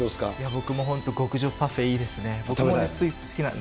僕も本当、極上パフェいいですね。